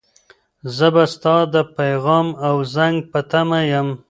زه به ستا د پیغام او زنګ په تمه یم.